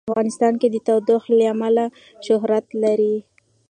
افغانستان د تودوخه له امله شهرت لري.